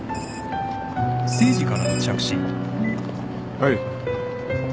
はい。